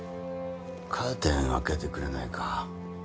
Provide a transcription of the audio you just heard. カーテン開けてくれないか。